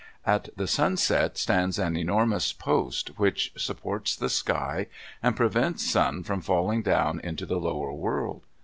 At the sunset stands an enormous post which supports the sky and prevents Sun from falling down into the lower world.